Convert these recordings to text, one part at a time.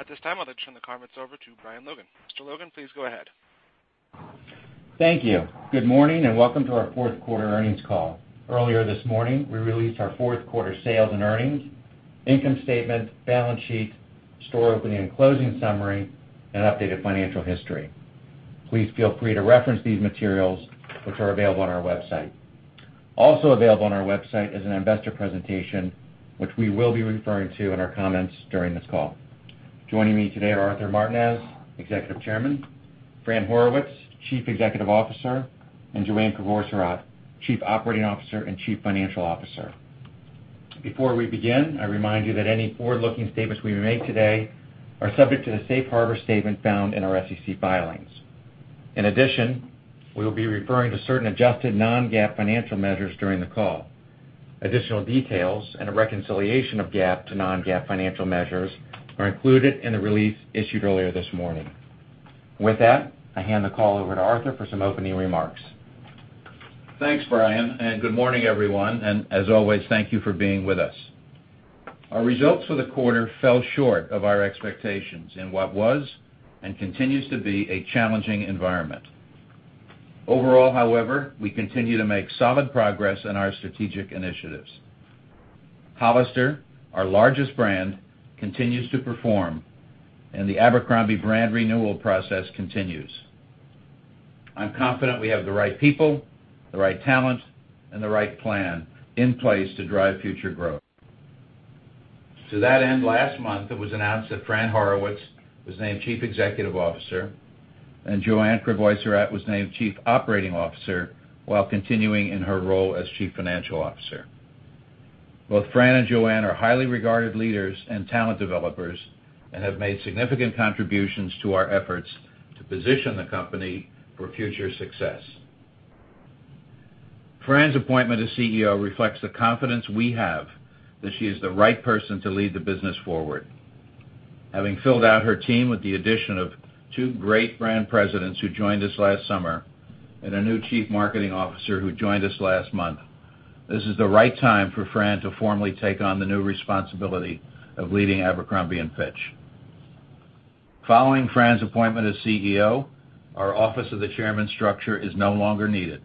At this time, I'll then turn the comments over to Brian Logan. Mr. Logan, please go ahead. Thank you. Good morning, and welcome to our fourth quarter earnings call. Earlier this morning, we released our fourth quarter sales and earnings, income statement, balance sheet, store opening and closing summary, and updated financial history. Please feel free to reference these materials which are available on our website. Also available on our website is an investor presentation, which we will be referring to in our comments during this call. Joining me today are Arthur Martinez, Executive Chairman, Fran Horowitz, Chief Executive Officer, and Joanne Crevoiserat, Chief Operating Officer and Chief Financial Officer. Before we begin, I remind you that any forward-looking statements we make today are subject to the safe harbor statement found in our SEC filings. In addition, we will be referring to certain adjusted non-GAAP financial measures during the call. Additional details and a reconciliation of GAAP to non-GAAP financial measures are included in the release issued earlier this morning. With that, I hand the call over to Arthur for some opening remarks. Thanks, Brian, and good morning, everyone. As always, thank you for being with us. Our results for the quarter fell short of our expectations in what was, and continues to be, a challenging environment. Overall, however, we continue to make solid progress in our strategic initiatives. Hollister, our largest brand, continues to perform, and the Abercrombie brand renewal process continues. I'm confident we have the right people, the right talent, and the right plan in place to drive future growth. To that end, last month it was announced that Fran Horowitz was named Chief Executive Officer and Joanne Crevoiserat was named Chief Operating Officer while continuing in her role as Chief Financial Officer. Both Fran and Joanne are highly regarded leaders and talent developers and have made significant contributions to our efforts to position the company for future success. Fran's appointment as CEO reflects the confidence we have that she is the right person to lead the business forward. Having filled out her team with the addition of two great brand presidents who joined us last summer, and a new Chief Marketing Officer who joined us last month, this is the right time for Fran to formally take on the new responsibility of leading Abercrombie & Fitch. Following Fran's appointment as CEO, our office of the Chairman structure is no longer needed.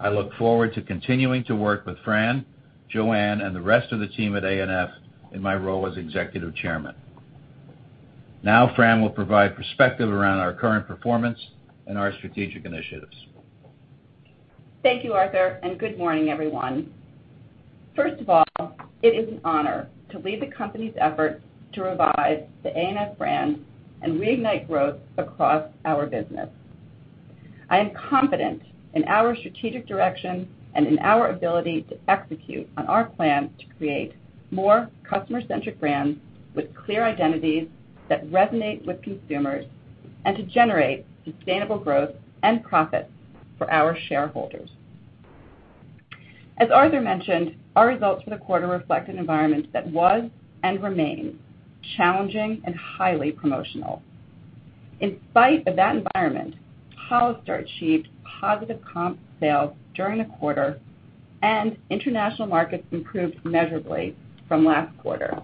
I look forward to continuing to work with Fran, Joanne, and the rest of the team at ANF in my role as Executive Chairman. Fran will provide perspective around our current performance and our strategic initiatives. Thank you, Arthur, and good morning, everyone. First of all, it is an honor to lead the company's effort to revive the ANF brand and reignite growth across our business. I am confident in our strategic direction and in our ability to execute on our plan to create more customer-centric brands with clear identities that resonate with consumers and to generate sustainable growth and profits for our shareholders. As Arthur mentioned, our results for the quarter reflect an environment that was, and remains, challenging and highly promotional. In spite of that environment, Hollister achieved positive comp sales during the quarter, and international markets improved measurably from last quarter.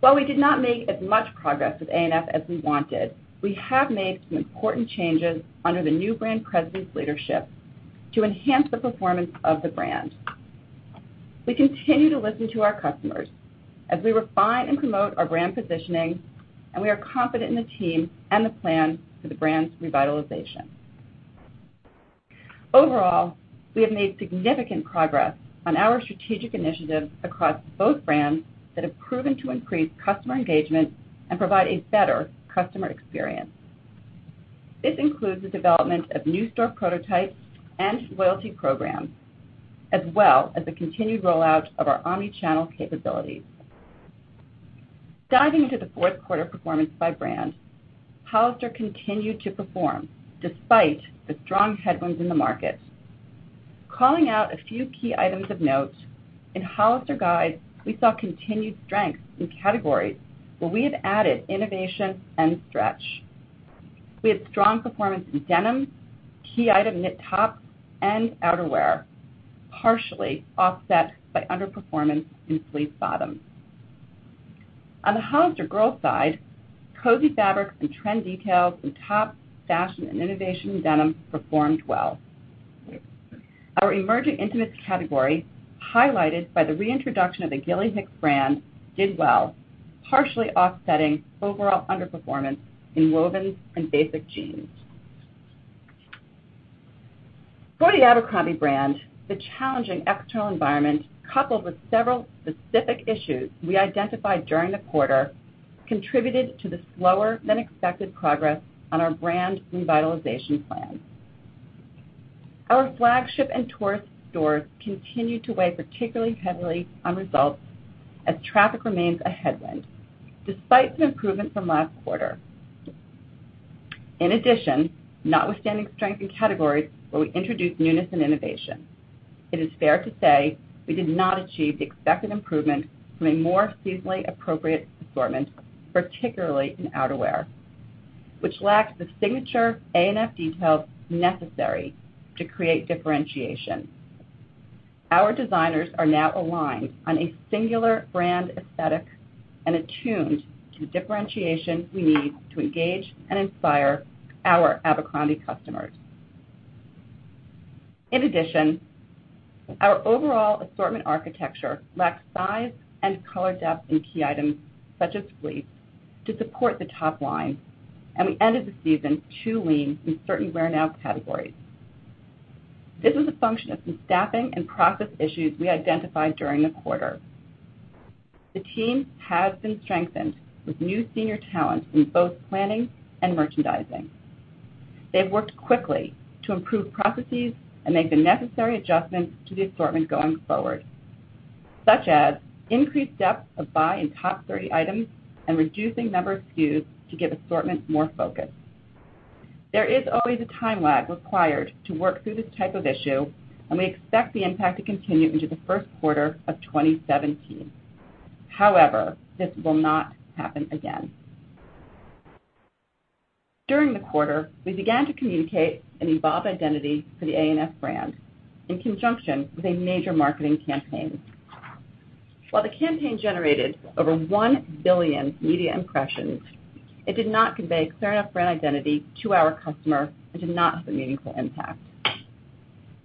While we did not make as much progress with ANF as we wanted, we have made some important changes under the new brand president's leadership to enhance the performance of the brand. We continue to listen to our customers as we refine and promote our brand positioning. We are confident in the team and the plan for the brand's revitalization. Overall, we have made significant progress on our strategic initiatives across both brands that have proven to increase customer engagement and provide a better customer experience. This includes the development of new store prototypes and loyalty programs, as well as the continued rollout of our omnichannel capabilities. Diving into the fourth quarter performance by brand, Hollister continued to perform despite the strong headwinds in the market. Calling out a few key items of note, in Hollister Guys, we saw continued strength in categories where we have added innovation and stretch. We had strong performance in denim, key item knit tops, and outerwear, partially offset by underperformance in fleece bottoms. On the Hollister Girl side, cozy fabrics and trend details in tops, fashion and innovation in denim performed well. Our emerging intimates category, highlighted by the reintroduction of the Gilly Hicks brand, did well, partially offsetting overall underperformance in wovens and basic jeans. For the Abercrombie brand, the challenging external environment, coupled with several specific issues we identified during the quarter, contributed to the slower-than-expected progress on our brand revitalization plan. Our flagship and tourist stores continue to weigh particularly heavily on results as traffic remains a headwind despite some improvement from last quarter. In addition, notwithstanding strength in categories where we introduced newness and innovation, it is fair to say we did not achieve the expected improvement from a more seasonally appropriate assortment, particularly in outerwear, which lacked the signature A&F details necessary to create differentiation. Our designers are now aligned on a singular brand aesthetic and attuned to the differentiation we need to engage and inspire our Abercrombie customers. In addition, our overall assortment architecture lacked size and color depth in key items, such as fleeces, to support the top line, and we ended the season too lean in certain wear-now categories. This was a function of some staffing and process issues we identified during the quarter. The team has been strengthened with new senior talent in both planning and merchandising. They've worked quickly to improve processes and make the necessary adjustments to the assortment going forward, such as increased depth of buy in top 30 items and reducing number of SKUs to give assortment more focus. There is always a time lag required to work through this type of issue, and we expect the impact to continue into the first quarter of 2017. This will not happen again. During the quarter, we began to communicate an evolved identity for the A&F brand in conjunction with a major marketing campaign. While the campaign generated over 1 billion media impressions, it did not convey a clear enough brand identity to our customer and did not have a meaningful impact.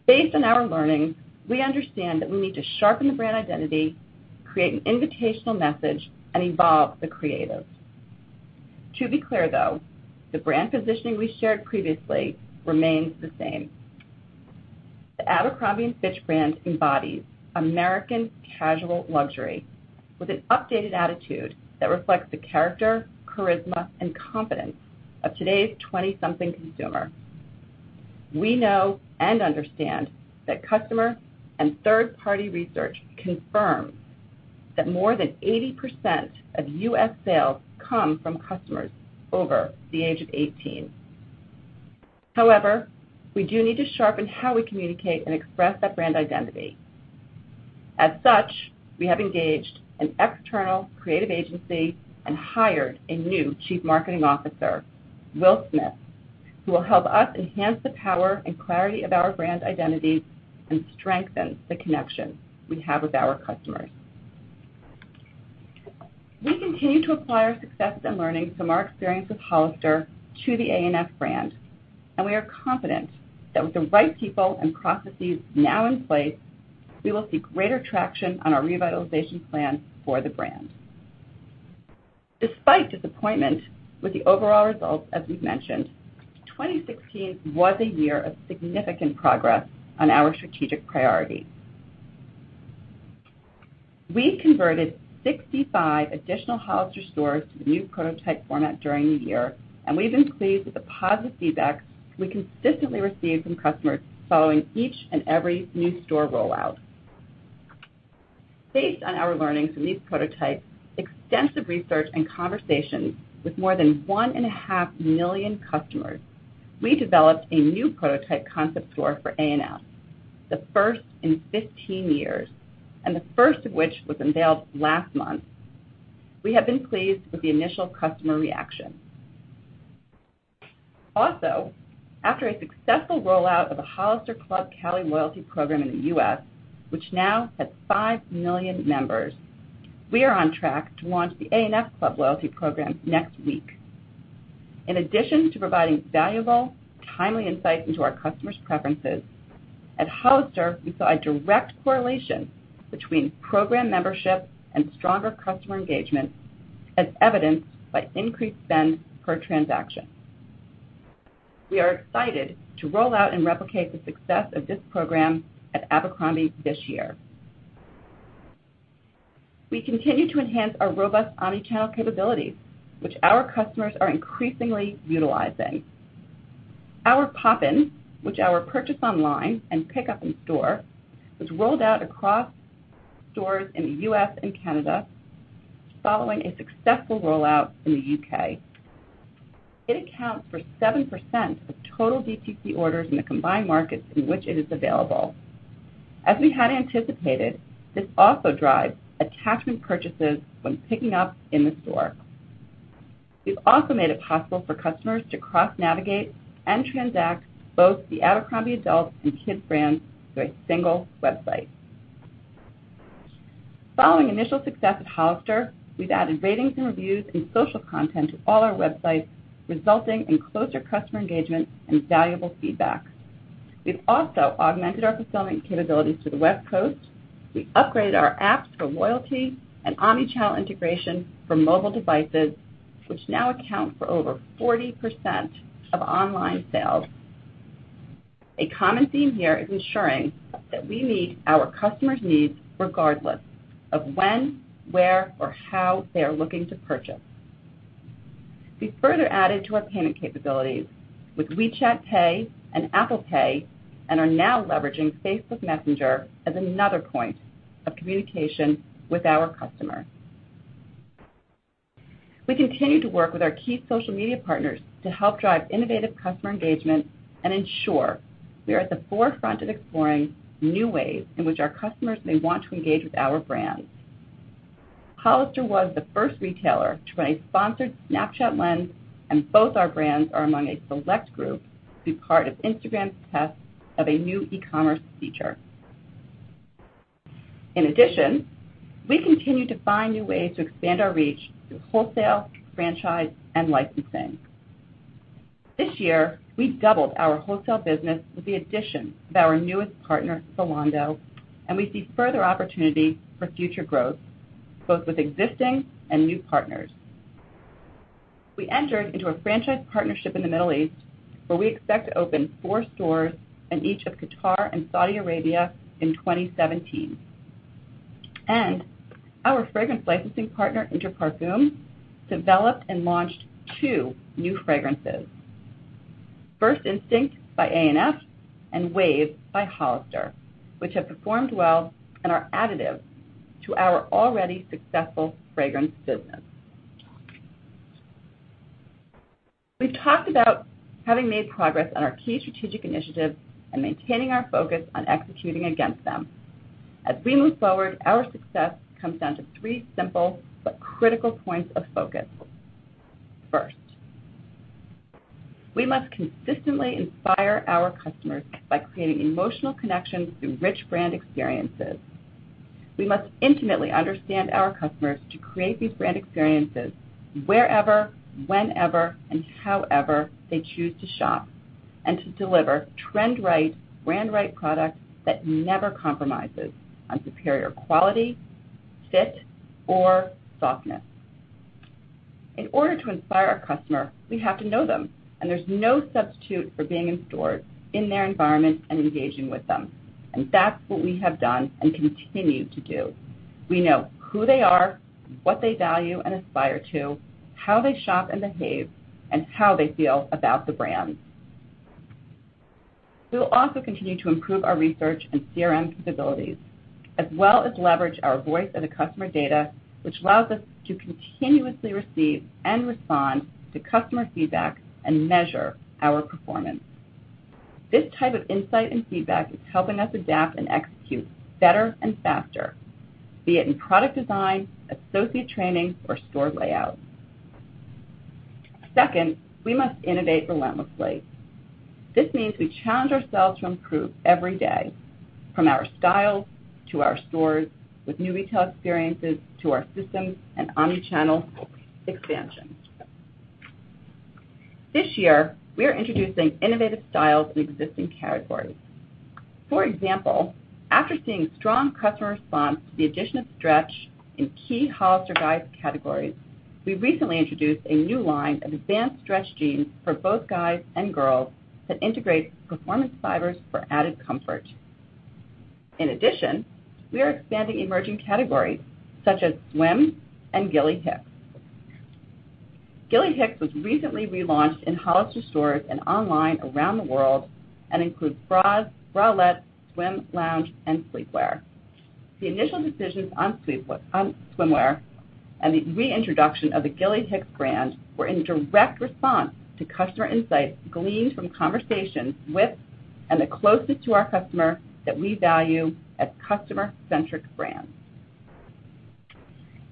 Based on our learnings, we understand that we need to sharpen the brand identity, create an invitational message, and evolve the creative. To be clear, though, the brand positioning we shared previously remains the same. The Abercrombie & Fitch brand embodies American casual luxury with an updated attitude that reflects the character, charisma, and confidence of today's 20-something consumer. We know and understand that customer and third-party research confirms that more than 80% of U.S. sales come from customers over the age of 18. We do need to sharpen how we communicate and express that brand identity. As such, we have engaged an external creative agency and hired a new Chief Marketing Officer, Will Smith, who will help us enhance the power and clarity of our brand identity and strengthen the connection we have with our customers. We continue to apply our success and learnings from our experience with Hollister to the A&F brand, and we are confident that with the right people and processes now in place, we will see greater traction on our revitalization plan for the brand. Despite disappointment with the overall results as we've mentioned, 2016 was a year of significant progress on our strategic priorities. We converted 65 additional Hollister stores to the new prototype format during the year, and we've been pleased with the positive feedback we consistently receive from customers following each and every new store rollout. Based on our learnings from these prototypes, extensive research, and conversations with more than one and a half million customers, we developed a new prototype concept store for A&F, the first in 15 years, and the first of which was unveiled last month. We have been pleased with the initial customer reaction. Also, after a successful rollout of the Hollister Club Cali loyalty program in the U.S., which now has 5 million members, we are on track to launch the A&F Club loyalty program next week. In addition to providing valuable, timely insights into our customers' preferences, at Hollister, we saw a direct correlation between program membership and stronger customer engagement, as evidenced by increased spend per transaction. We are excited to roll out and replicate the success of this program at Abercrombie this year. We continue to enhance our robust omnichannel capabilities, which our customers are increasingly utilizing. Our BOPIS, which is buy online and pick up in store, was rolled out across stores in the U.S. and Canada following a successful rollout in the U.K. It accounts for 7% of total DTC orders in the combined markets in which it is available. As we had anticipated, this also drives attachment purchases when picking up in the store. We've also made it possible for customers to cross-navigate and transact both the Abercrombie adult and abercrombie kids brands through a single website. Following initial success at Hollister, we've added ratings and reviews and social content to all our websites, resulting in closer customer engagement and valuable feedback. We've also augmented our fulfillment capabilities to the West Coast. We upgraded our apps for loyalty and omnichannel integration for mobile devices, which now account for over 40% of online sales. A common theme here is ensuring that we meet our customers' needs regardless of when, where, or how they are looking to purchase. We've further added to our payment capabilities with WeChat Pay and Apple Pay and are now leveraging Facebook Messenger as another point of communication with our customers. We continue to work with our key social media partners to help drive innovative customer engagement and ensure we are at the forefront of exploring new ways in which our customers may want to engage with our brands. Hollister was the first retailer to run a sponsored Snapchat lens, and both our brands are among a select group to be part of Instagram's test of a new e-commerce feature. In addition, we continue to find new ways to expand our reach through wholesale, franchise, and licensing. This year, we doubled our wholesale business with the addition of our newest partner, Zalando, and we see further opportunity for future growth, both with existing and new partners. We entered into a franchise partnership in the Middle East, where we expect to open four stores in each of Qatar and Saudi Arabia in 2017. Our fragrance licensing partner, Inter Parfums, developed and launched two new fragrances. First Instinct by A&F and Wave by Hollister, which have performed well and are additive to our already successful fragrance business. We've talked about having made progress on our key strategic initiatives and maintaining our focus on executing against them. As we move forward, our success comes down to three simple but critical points of focus. First, we must consistently inspire our customers by creating emotional connections through rich brand experiences. We must intimately understand our customers to create these brand experiences wherever, whenever, and however they choose to shop, and to deliver trend-right, brand-right product that never compromises on superior quality, fit, or softness. In order to inspire our customer, we have to know them, and there's no substitute for being in stores in their environment and engaging with them. That's what we have done and continue to do. We know who they are, what they value and aspire to, how they shop and behave, and how they feel about the brands. We will also continue to improve our research and CRM capabilities, as well as leverage our voice of the customer data, which allows us to continuously receive and respond to customer feedback and measure our performance. This type of insight and feedback is helping us adapt and execute better and faster, be it in product design, associate training, or store layout. Second, we must innovate relentlessly. This means we challenge ourselves to improve every day, from our styles to our stores, with new retail experiences, to our systems and omnichannel expansion. This year, we are introducing innovative styles in existing categories. For example, after seeing strong customer response to the addition of stretch in key Hollister Guys categories, we recently introduced a new line of advanced stretch jeans for both guys and girls that integrates performance fibers for added comfort. We are expanding emerging categories such as swim and Gilly Hicks. Gilly Hicks was recently relaunched in Hollister stores and online around the world and includes bras, bralettes, swim, lounge, and sleepwear. The initial decisions on swimwear and the reintroduction of the Gilly Hicks brand were in direct response to customer insights gleaned from conversations with and the closest to our customer that we value as customer-centric brands.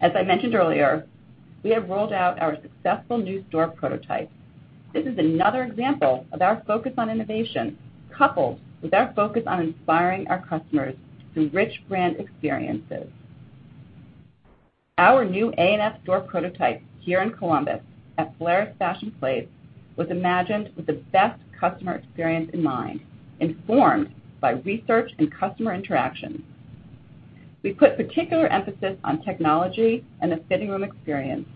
I mentioned earlier, we have rolled out our successful new store prototype. This is another example of our focus on innovation, coupled with our focus on inspiring our customers through rich brand experiences. Our new A&F store prototype here in Columbus at Polaris Fashion Place was imagined with the best customer experience in mind, informed by research and customer interactions. We put particular emphasis on technology and the fitting room experience,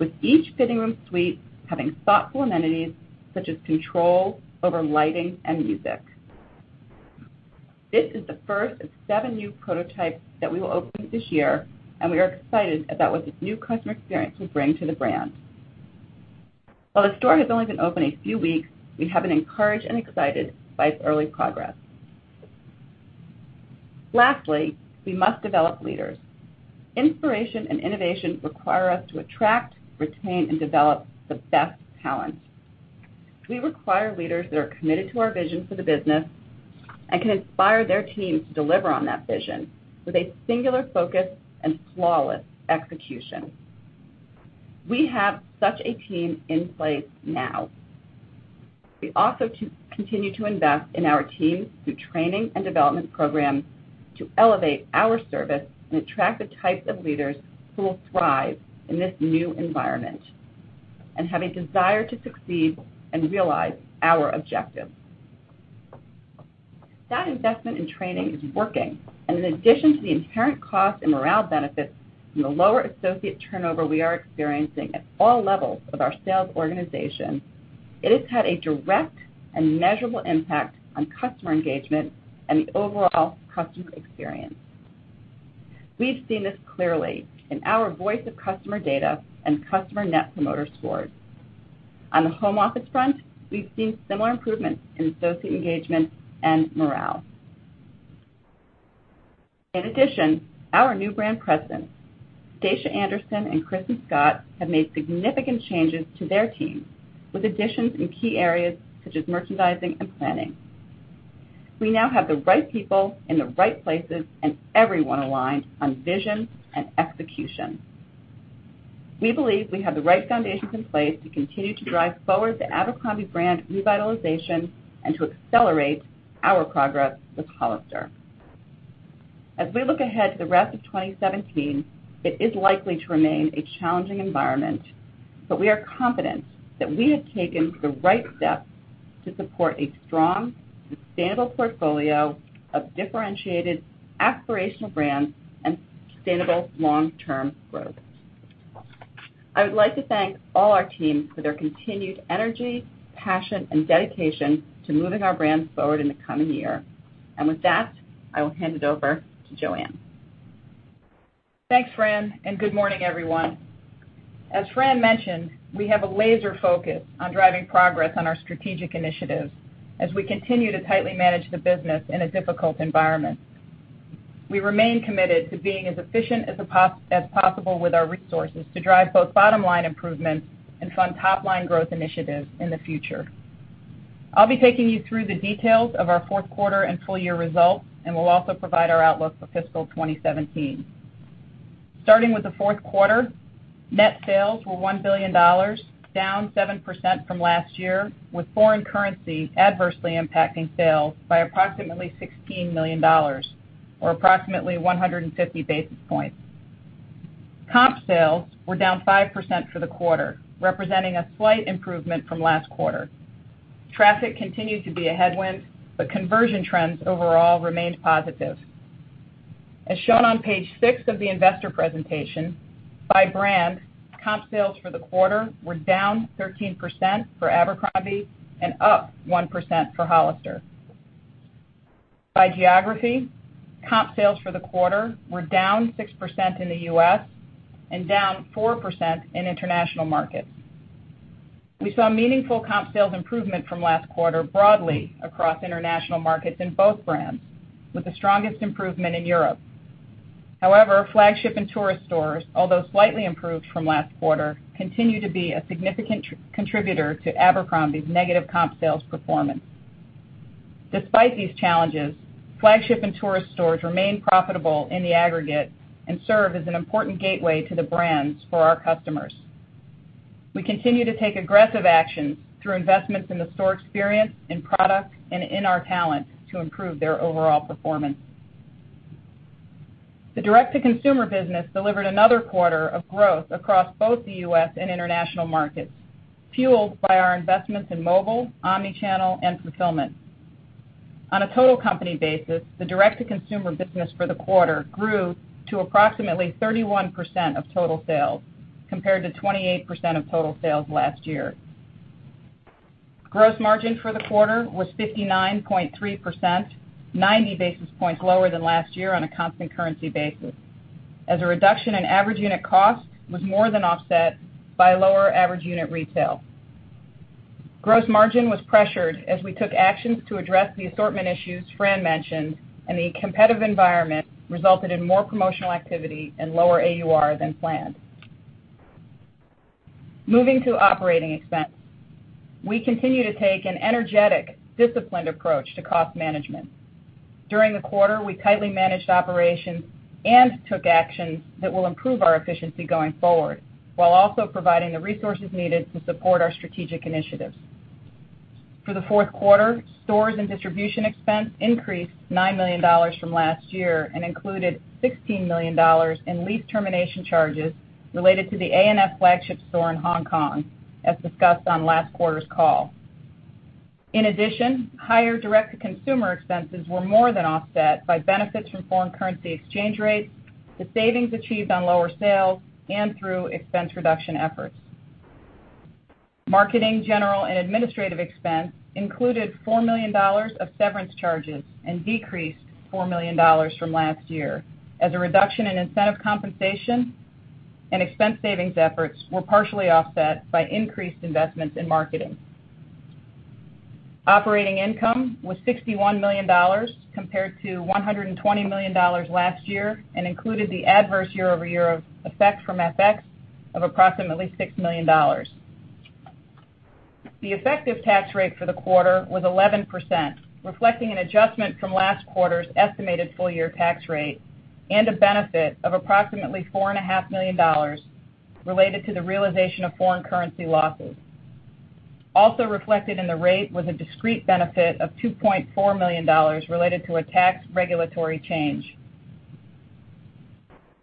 with each fitting room suite having thoughtful amenities such as control over lighting and music. This is the first of seven new prototypes that we will open this year. We are excited about what this new customer experience will bring to the brand. The store has only been open a few weeks, we have been encouraged and excited by its early progress. Lastly, we must develop leaders. Inspiration and innovation require us to attract, retain, and develop the best talent. We require leaders that are committed to our vision for the business and can inspire their teams to deliver on that vision with a singular focus and flawless execution. We have such a team in place now. We also continue to invest in our teams through training and development programs to elevate our service and attract the types of leaders who will thrive in this new environment and have a desire to succeed and realize our objectives. That investment in training is working. In addition to the inherent cost and morale benefits from the lower associate turnover we are experiencing at all levels of our sales organization, it has had a direct and measurable impact on customer engagement and the overall customer experience. We've seen this clearly in our voice of customer data and customer net promoter scores. On the home office front, we've seen similar improvements in associate engagement and morale. Our new brand presidents, Stacia Andersen and Kristin Scott, have made significant changes to their teams with additions in key areas such as merchandising and planning. We now have the right people in the right places and everyone aligned on vision and execution. We believe we have the right foundations in place to continue to drive forward the Abercrombie brand revitalization and to accelerate our progress with Hollister. As we look ahead to the rest of 2017, it is likely to remain a challenging environment, but we are confident that we have taken the right steps to support a strong, sustainable portfolio of differentiated aspirational brands and sustainable long-term growth. I would like to thank all our teams for their continued energy, passion, and dedication to moving our brands forward in the coming year. With that, I will hand it over to Joanne. Thanks, Fran, and good morning, everyone. As Fran mentioned, we have a laser focus on driving progress on our strategic initiatives as we continue to tightly manage the business in a difficult environment. We remain committed to being as efficient as possible with our resources to drive both bottom-line improvements and fund top-line growth initiatives in the future. I'll be taking you through the details of our fourth quarter and full-year results, and will also provide our outlook for fiscal 2017. Starting with the fourth quarter, net sales were $1 billion, down 7% from last year, with foreign currency adversely impacting sales by approximately $16 million or approximately 150 basis points. Comp sales were down 5% for the quarter, representing a slight improvement from last quarter. Traffic continued to be a headwind, but conversion trends overall remained positive. As shown on page six of the investor presentation, by brand, comp sales for the quarter were down 13% for Abercrombie and up 1% for Hollister. By geography, comp sales for the quarter were down 6% in the U.S. and down 4% in international markets. We saw meaningful comp sales improvement from last quarter broadly across international markets in both brands, with the strongest improvement in Europe. However, flagship and tourist stores, although slightly improved from last quarter, continue to be a significant contributor to Abercrombie's negative comp sales performance. Despite these challenges, flagship and tourist stores remain profitable in the aggregate and serve as an important gateway to the brands for our customers. We continue to take aggressive actions through investments in the store experience, in product, and in our talent to improve their overall performance. The direct-to-consumer business delivered another quarter of growth across both the U.S. and international markets, fueled by our investments in mobile, omnichannel, and fulfillment. On a total company basis, the direct-to-consumer business for the quarter grew to approximately 31% of total sales, compared to 28% of total sales last year. Gross margin for the quarter was 59.3%, 90 basis points lower than last year on a constant currency basis, as a reduction in average unit cost was more than offset by lower average unit retail. Gross margin was pressured as we took actions to address the assortment issues Fran mentioned, and the competitive environment resulted in more promotional activity and lower AUR than planned. Moving to operating expense. We continue to take an energetic, disciplined approach to cost management. During the quarter, we tightly managed operations and took actions that will improve our efficiency going forward, while also providing the resources needed to support our strategic initiatives. For the fourth quarter, stores and distribution expense increased $9 million from last year and included $16 million in lease termination charges related to the A&F flagship store in Hong Kong, as discussed on last quarter's call. In addition, higher direct-to-consumer expenses were more than offset by benefits from foreign currency exchange rates, the savings achieved on lower sales, and through expense reduction efforts. Marketing, general, and administrative expense included $4 million of severance charges and decreased $4 million from last year as a reduction in incentive compensation and expense savings efforts were partially offset by increased investments in marketing. Operating income was $61 million, compared to $120 million last year, and included the adverse year-over-year effect from FX of approximately $6 million. The effective tax rate for the quarter was 11%, reflecting an adjustment from last quarter's estimated full-year tax rate and a benefit of approximately $4.5 million related to the realization of foreign currency losses. Also reflected in the rate was a discrete benefit of $2.4 million related to a tax regulatory change.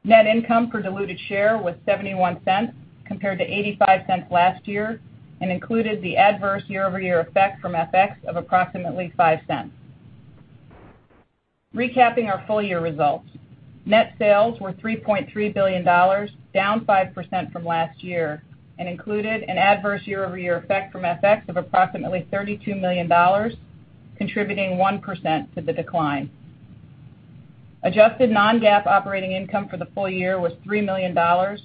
Net income per diluted share was $0.71 compared to $0.85 last year and included the adverse year-over-year effect from FX of approximately $0.05. Recapping our full-year results. Net sales were $3.3 billion, down 5% from last year and included an adverse year-over-year effect from FX of approximately $32 million, contributing 1% to the decline. Adjusted non-GAAP operating income for the full year was $3 million,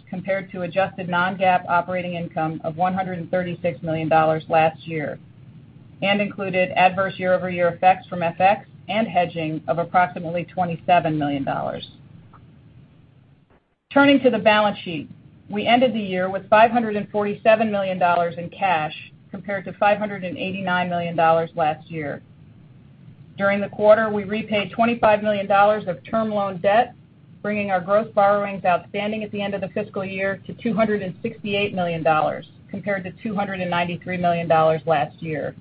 compared to adjusted non-GAAP operating income of $136 million last year, and included adverse year-over-year effects from FX and hedging of approximately $27 million. Turning to the balance sheet. We ended the year with $547 million in cash compared to $589 million last year. During the quarter, we repaid $25 million of term loan debt, bringing our gross borrowings outstanding at the end of the fiscal year to $268 million compared to $293 million last year.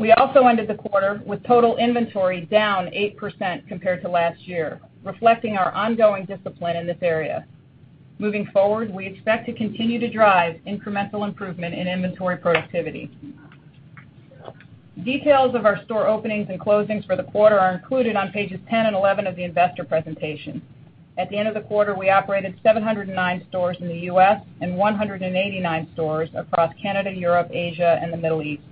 We also ended the quarter with total inventory down 8% compared to last year, reflecting our ongoing discipline in this area. Moving forward, we expect to continue to drive incremental improvement in inventory productivity. Details of our store openings and closings for the quarter are included on pages 10 and 11 of the investor presentation. At the end of the quarter, we operated 709 stores in the U.S. and 189 stores across Canada, Europe, Asia, and the Middle East.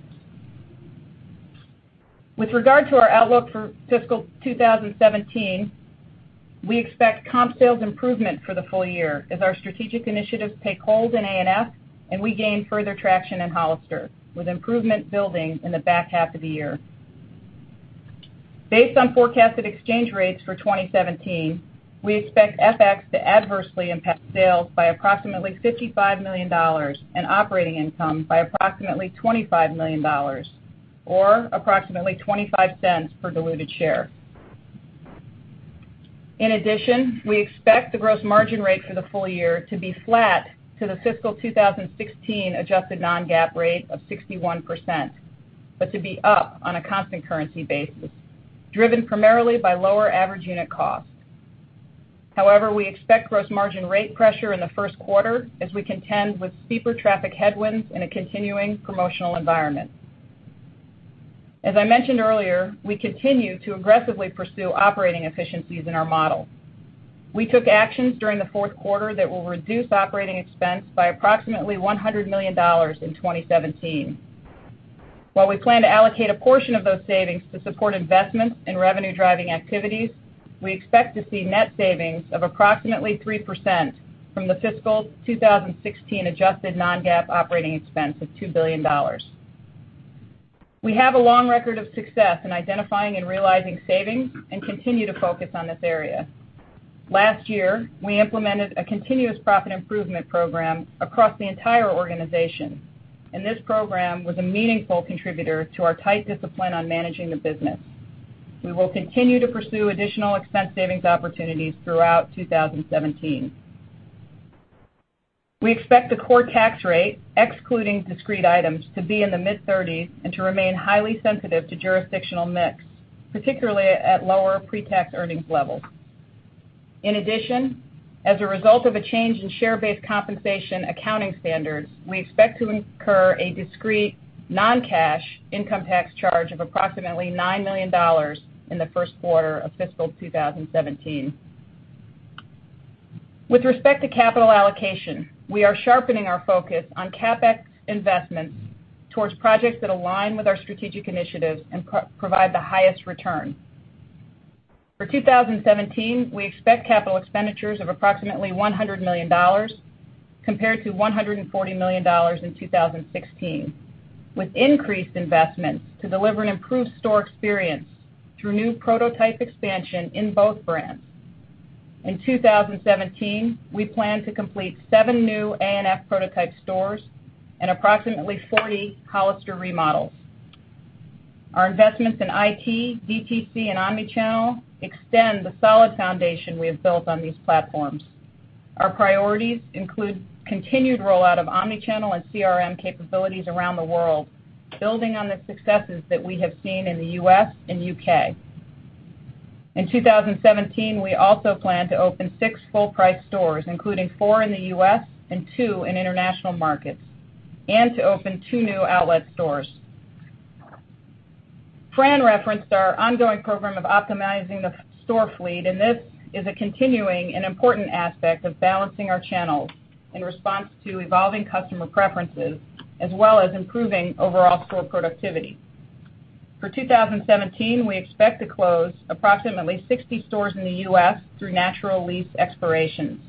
With regard to our outlook for fiscal 2017, we expect comp sales improvement for the full year as our strategic initiatives take hold in ANF and we gain further traction in Hollister, with improvement building in the back half of the year. Based on forecasted exchange rates for 2017, we expect FX to adversely impact sales by approximately $55 million and operating income by approximately $25 million or approximately $0.25 per diluted share. In addition, we expect the gross margin rate for the full year to be flat to the fiscal 2016 adjusted non-GAAP rate of 61%, but to be up on a constant currency basis, driven primarily by lower average unit cost. We expect gross margin rate pressure in the first quarter as we contend with steeper traffic headwinds in a continuing promotional environment. As I mentioned earlier, we continue to aggressively pursue operating efficiencies in our model. We took actions during the fourth quarter that will reduce operating expense by approximately $100 million in 2017. While we plan to allocate a portion of those savings to support investments in revenue-driving activities, we expect to see net savings of approximately 3% from the fiscal 2016 adjusted non-GAAP operating expense of $2 billion. We have a long record of success in identifying and realizing savings and continue to focus on this area. Last year, we implemented a continuous profit improvement program across the entire organization. This program was a meaningful contributor to our tight discipline on managing the business. We will continue to pursue additional expense savings opportunities throughout 2017. We expect the core tax rate, excluding discrete items, to be in the mid-30s and to remain highly sensitive to jurisdictional mix, particularly at lower pre-tax earnings levels. In addition, as a result of a change in share-based compensation accounting standards, we expect to incur a discrete non-cash income tax charge of approximately $9 million in the first quarter of fiscal 2017. With respect to capital allocation, we are sharpening our focus on CapEx investments towards projects that align with our strategic initiatives and provide the highest return. For 2017, we expect capital expenditures of approximately $100 million compared to $140 million in 2016, with increased investments to deliver an improved store experience through new prototype expansion in both brands. In 2017, we plan to complete seven new ANF prototype stores and approximately 40 Hollister remodels. Our investments in IT, DTC, and omnichannel extend the solid foundation we have built on these platforms. Our priorities include continued rollout of omnichannel and CRM capabilities around the world, building on the successes that we have seen in the U.S. and U.K. In 2017, we also plan to open six full-price stores, including four in the U.S. and two in international markets, and to open two new outlet stores. Fran referenced our ongoing program of optimizing the store fleet. This is a continuing and important aspect of balancing our channels in response to evolving customer preferences as well as improving overall store productivity. For 2017, we expect to close approximately 60 stores in the U.S. through natural lease expirations.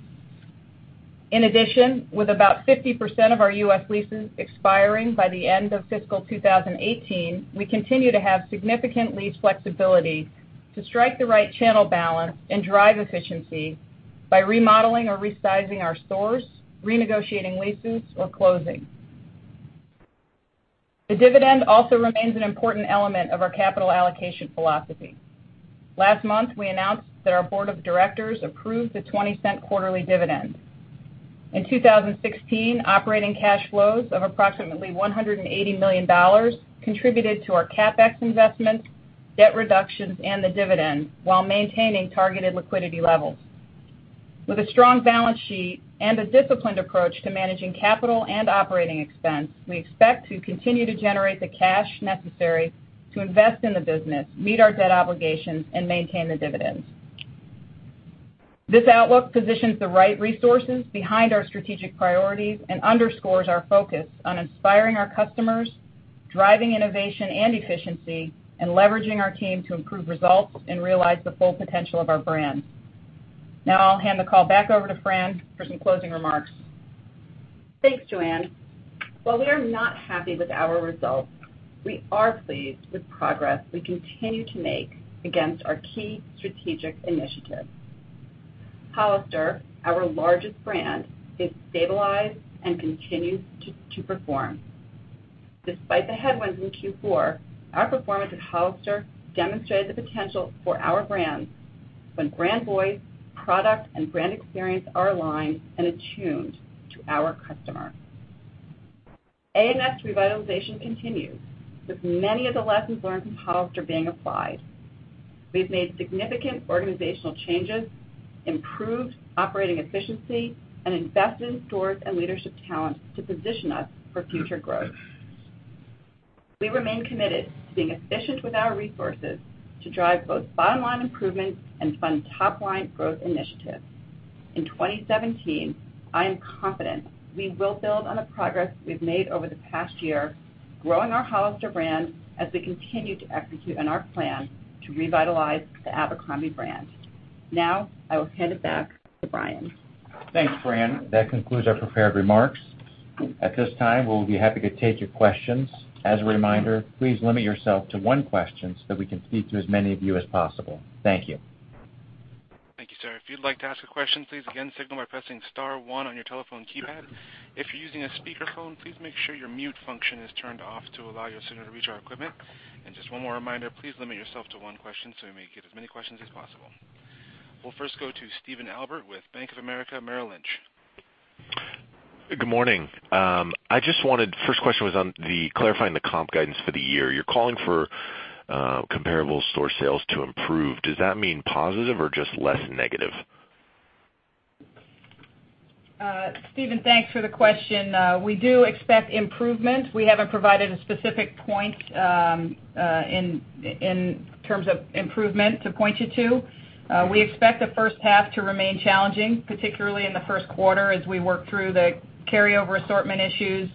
In addition, with about 50% of our U.S. leases expiring by the end of fiscal 2018, we continue to have significant lease flexibility to strike the right channel balance and drive efficiency by remodeling or resizing our stores, renegotiating leases, or closing. The dividend also remains an important element of our capital allocation philosophy. Last month, we announced that our board of directors approved the $0.20 quarterly dividend. In 2016, operating cash flows of approximately $180 million contributed to our CapEx investments, debt reductions, and the dividend while maintaining targeted liquidity levels. With a strong balance sheet and a disciplined approach to managing capital and operating expense, we expect to continue to generate the cash necessary to invest in the business, meet our debt obligations, and maintain the dividend. This outlook positions the right resources behind our strategic priorities and underscores our focus on inspiring our customers, driving innovation and efficiency, and leveraging our team to improve results and realize the full potential of our brands. Now I'll hand the call back over to Fran for some closing remarks. Thanks, Joanne. While we are not happy with our results, we are pleased with progress we continue to make against our key strategic initiatives. Hollister, our largest brand, is stabilized and continues to perform. Despite the headwinds in Q4, our performance at Hollister demonstrated the potential for our brands when brand voice, product, and brand experience are aligned and attuned to our customer. A&F's revitalization continues, with many of the lessons learned from Hollister being applied. We've made significant organizational changes, improved operating efficiency, and invested in stores and leadership talent to position us for future growth. We remain committed to being efficient with our resources to drive both bottom-line improvements and fund top-line growth initiatives. In 2017, I am confident we will build on the progress we've made over the past year, growing our Hollister brand as we continue to execute on our plan to revitalize the Abercrombie brand. Now, I will hand it back to Brian. Thanks, Fran. That concludes our prepared remarks. At this time, we'll be happy to take your questions. As a reminder, please limit yourself to one question so that we can speak to as many of you as possible. Thank you. Thank you, sir. If you'd like to ask a question, please again signal by pressing * one on your telephone keypad. If you're using a speakerphone, please make sure your mute function is turned off to allow your signal to reach our equipment. Just one more reminder, please limit yourself to one question so we may get as many questions as possible. We'll first go to Steven Albert with Bank of America Merrill Lynch. Good morning. First question was on clarifying the comp guidance for the year. You're calling for comparable store sales to improve. Does that mean positive or just less negative? Steven, thanks for the question. We do expect improvement. We haven't provided a specific point in terms of improvement to point you to. We expect the first half to remain challenging, particularly in the first quarter as we work through the carryover assortment issues.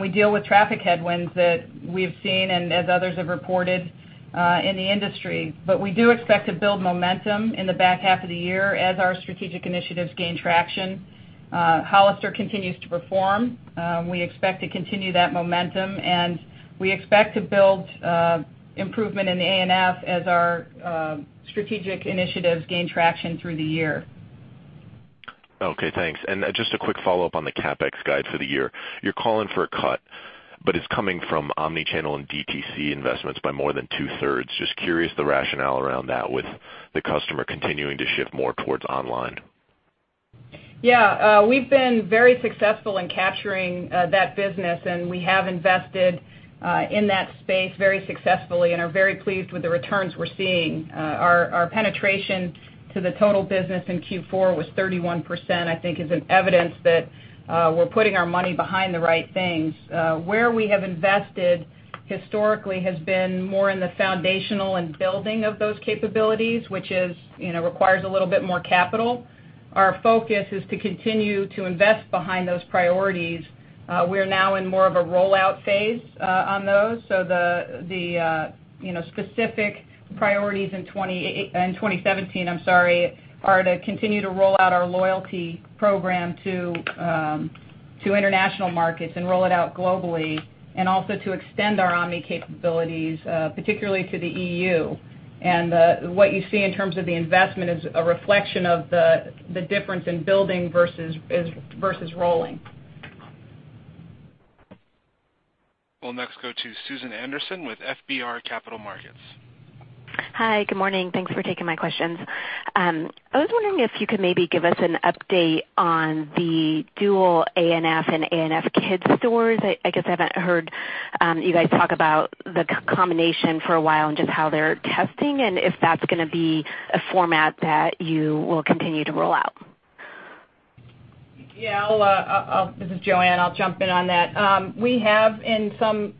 We deal with traffic headwinds that we've seen and as others have reported in the industry. We do expect to build momentum in the back half of the year as our strategic initiatives gain traction. Hollister continues to perform. We expect to continue that momentum, and we expect to build improvement in A&F as our strategic initiatives gain traction through the year. Okay, thanks. Just a quick follow-up on the CapEx guide for the year. You're calling for a cut, but it's coming from omnichannel and DTC investments by more than two-thirds. Just curious the rationale around that with the customer continuing to shift more towards online. Yeah. We've been very successful in capturing that business, and we have invested in that space very successfully and are very pleased with the returns we're seeing. Our penetration to the total business in Q4 was 31%, I think is an evidence that we're putting our money behind the right things. Where we have invested historically has been more in the foundational and building of those capabilities, which requires a little bit more capital. Our focus is to continue to invest behind those priorities. We're now in more of a rollout phase on those. The specific priorities in 2017 are to continue to roll out our loyalty program to international markets and roll it out globally. Also to extend our omni capabilities, particularly to the EU. What you see in terms of the investment is a reflection of the difference in building versus rolling. We'll next go to Susan Anderson with FBR & Co.. Hi. Good morning. Thanks for taking my questions. I was wondering if you could maybe give us an update on the dual A&F and abercrombie kids stores. I guess I haven't heard you guys talk about the combination for a while and just how they're testing, and if that's going to be a format that you will continue to roll out. Yeah. This is Joanne. I'll jump in on that. We have, in some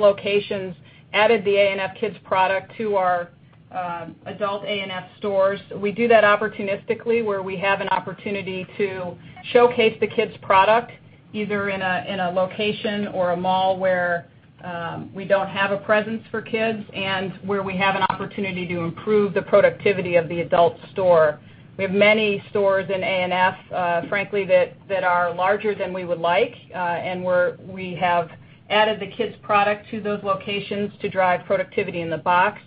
locations, added the abercrombie kids product to our adult A&F stores. We do that opportunistically where we have an opportunity to showcase the kids product, either in a location or a mall where we don't have a presence for kids and where we have an opportunity to improve the productivity of the adult store. We have many stores in A&F, frankly, that are larger than we would like. Where we have added the kids product to those locations to drive productivity in the box.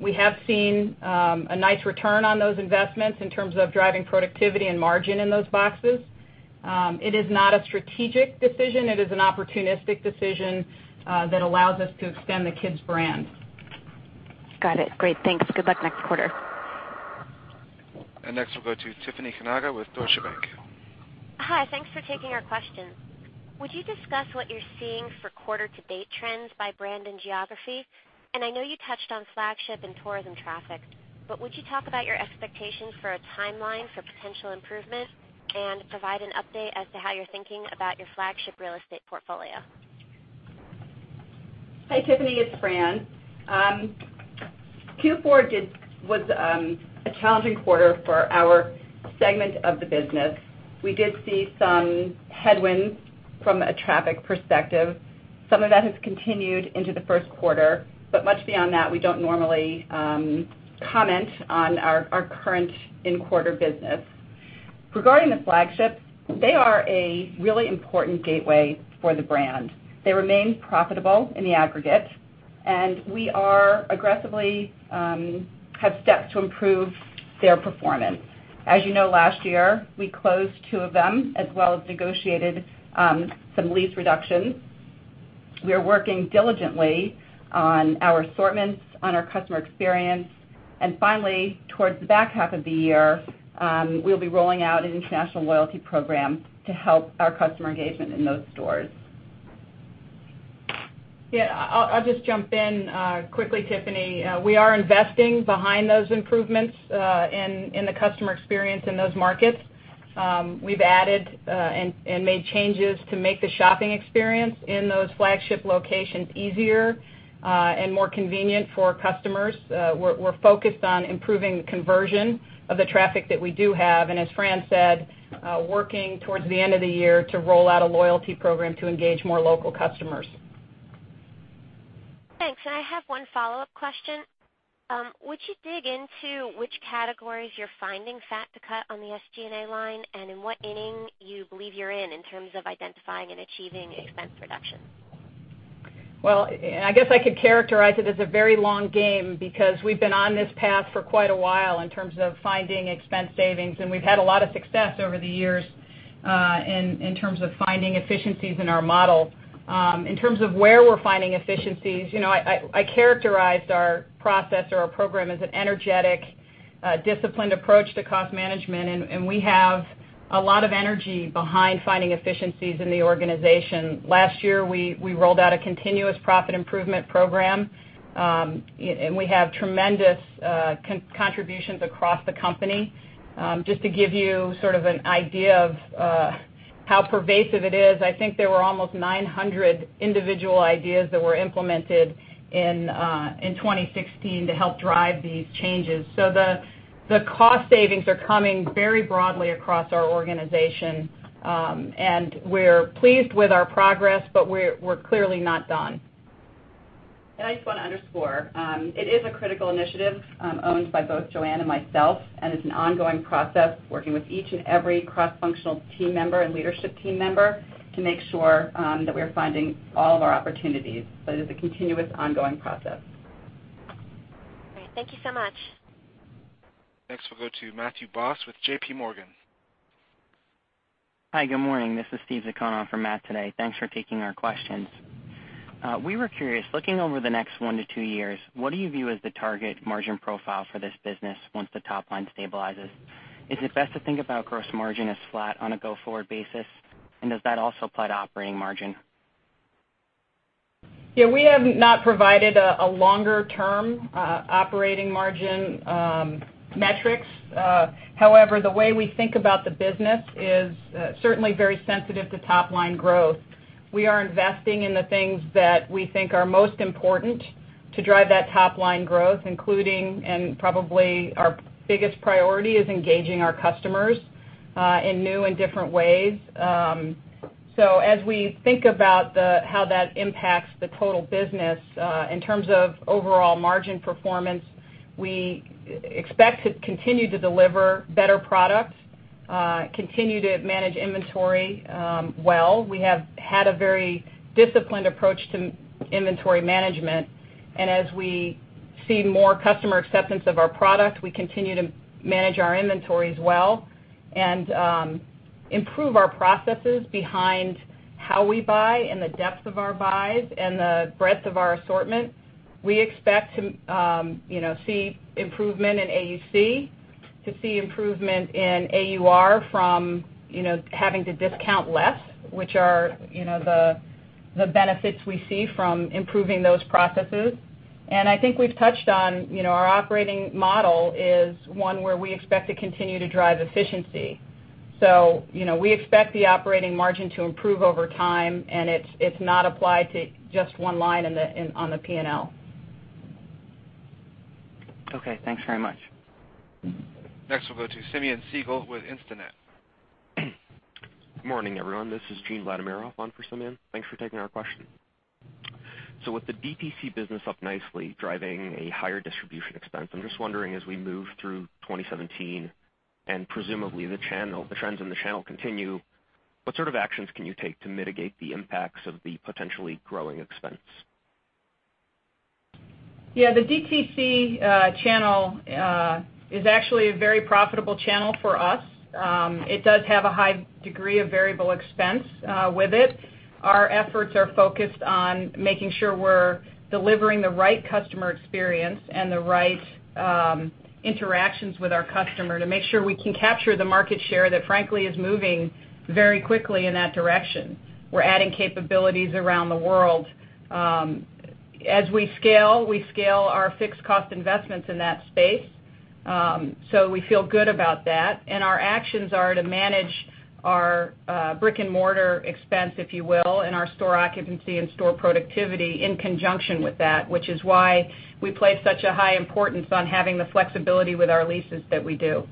We have seen a nice return on those investments in terms of driving productivity and margin in those boxes. It is not a strategic decision. It is an opportunistic decision that allows us to extend the kids brand. Got it. Great. Thanks. Good luck next quarter. Next, we'll go to Tiffany Kanaga with Deutsche Bank. Hi. Thanks for taking our questions. Would you discuss what you're seeing for quarter to date trends by brand and geography? I know you touched on flagship and tourism traffic, would you talk about your expectations for a timeline for potential improvement and provide an update as to how you're thinking about your flagship real estate portfolio? Hi, Tiffany. It's Fran. Q4 was a challenging quarter for our segment of the business. We did see some headwinds from a traffic perspective. Some of that has continued into the first quarter, much beyond that, we don't normally comment on our current in-quarter business. Regarding the flagships, they are a really important gateway for the brand. They remain profitable in the aggregate, we are aggressively have stepped to improve their performance. As you know, last year, we closed two of them, as well as negotiated some lease reductions. We are working diligently on our assortments, on our customer experience, finally, towards the back half of the year, we'll be rolling out an international loyalty program to help our customer engagement in those stores. Yeah. I'll just jump in quickly, Tiffany. We are investing behind those improvements in the customer experience in those markets. We've added and made changes to make the shopping experience in those flagship locations easier and more convenient for customers. We're focused on improving the conversion of the traffic that we do have. As Fran said, working towards the end of the year to roll out a loyalty program to engage more local customers. Thanks. I have one follow-up question. Would you dig into which categories you're finding fat to cut on the SG&A line, and in what inning you believe you're in terms of identifying and achieving expense reduction? Well, I guess I could characterize it as a very long game because we've been on this path for quite a while in terms of finding expense savings, and we've had a lot of success over the years in terms of finding efficiencies in our model. In terms of where we're finding efficiencies, I characterized our process or our program as an energetic, disciplined approach to cost management, and we have a lot of energy behind finding efficiencies in the organization. Last year, we rolled out a Continuous Profit Improvement Program. We have tremendous contributions across the company. Just to give you sort of an idea of how pervasive it is, I think there were almost 900 individual ideas that were implemented in 2016 to help drive these changes. The cost savings are coming very broadly across our organization. We're pleased with our progress, but we're clearly not done. I just want to underscore, it is a critical initiative owned by both Joanne and myself, and it's an ongoing process, working with each and every cross-functional team member and leadership team member to make sure that we're finding all of our opportunities. It is a continuous, ongoing process. Great. Thank you so much. Next, we'll go to Matthew Boss with JPMorgan. Hi, good morning. This is Steve Zakon on for Matt today. Thanks for taking our questions. We were curious, looking over the next one to two years, what do you view as the target margin profile for this business once the top line stabilizes? Is it best to think about gross margin as flat on a go-forward basis? Does that also apply to operating margin? Yeah. We have not provided a longer-term operating margin metrics. However, the way we think about the business is certainly very sensitive to top-line growth. We are investing in the things that we think are most important to drive that top-line growth, including, and probably our biggest priority, is engaging our customers in new and different ways. As we think about how that impacts the total business in terms of overall margin performance, we expect to continue to deliver better products, continue to manage inventory well. We have had a very disciplined approach to inventory management. As we see more customer acceptance of our product, we continue to manage our inventories well and improve our processes behind how we buy and the depth of our buys and the breadth of our assortment. We expect to see improvement in AUC, to see improvement in AUR from having to discount less, which are the benefits we see from improving those processes. I think we've touched on our operating model is one where we expect to continue to drive efficiency. We expect the operating margin to improve over time, and it's not applied to just one line on the P&L. Okay, thanks very much. Next, we'll go to Simeon Siegel with Instinet. Good morning, everyone. This is Gene Vladimirov on for Simeon. Thanks for taking our question. With the DTC business up nicely, driving a higher distribution expense, I'm just wondering, as we move through 2017, and presumably the trends in the channel continue, what sort of actions can you take to mitigate the impacts of the potentially growing expense? Yeah. The DTC channel is actually a very profitable channel for us. It does have a high degree of variable expense with it. Our efforts are focused on making sure we're delivering the right customer experience and the right interactions with our customer to make sure we can capture the market share that frankly is moving very quickly in that direction. We're adding capabilities around the world. As we scale, we scale our fixed cost investments in that space. We feel good about that, and our actions are to manage our brick and mortar expense, if you will, and our store occupancy and store productivity in conjunction with that, which is why we place such a high importance on having the flexibility with our leases that we do.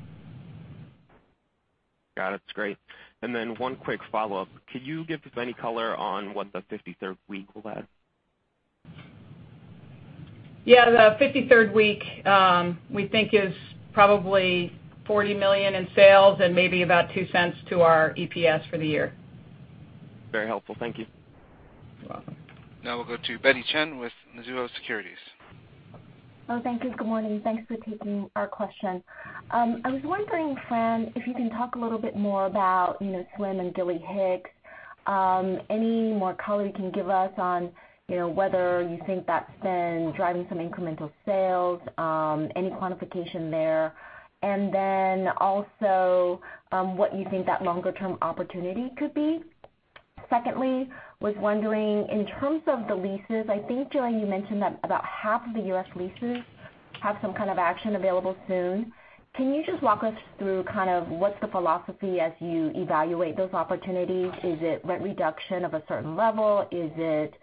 Got it. Great. One quick follow-up. Could you give us any color on what the 53rd week will add? Yeah. The 53rd week, we think is probably $40 million in sales and maybe about $0.02 to our EPS for the year. Very helpful. Thank you. You're welcome. We'll go to Betty Chen with Mizuho Securities. Oh, thank you. Good morning. Thanks for taking our question. I was wondering, Fran, if you can talk a little bit more about swim and Gilly Hicks. Any more color you can give us on whether you think that's been driving some incremental sales, any quantification there, and then also, what you think that longer-term opportunity could be. Secondly, was wondering, in terms of the leases, I think, Joanne, you mentioned that about half of the U.S. leases have some kind of action available soon. Can you just walk us through what's the philosophy as you evaluate those opportunities? Is it rent reduction of a certain level? Is it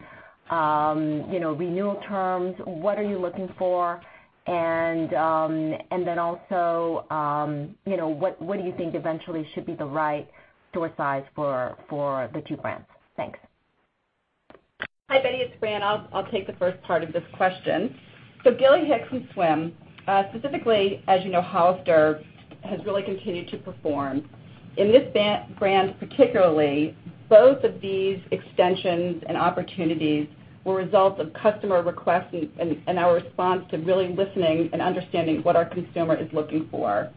renewal terms? What are you looking for? And then also, what do you think eventually should be the right store size for the two brands? Thanks. Hi, Betty. It's Fran. I'll take the first part of this question. Gilly Hicks and swim, specifically, as you know, Hollister has really continued to perform. In this brand particularly, both of these extensions and opportunities were results of customer requests and our response to really listening and understanding what our consumer is looking for.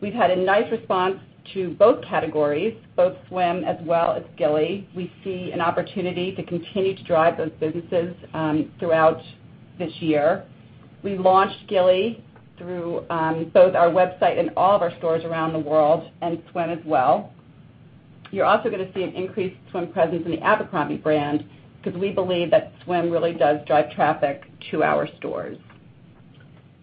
We've had a nice response to both categories, both swim as well as Gilly. We see an opportunity to continue to drive those businesses throughout this year. We launched Gilly through both our website and all of our stores around the world, and swim as well. You're also going to see an increased swim presence in the Abercrombie brand because we believe that swim really does drive traffic to our stores.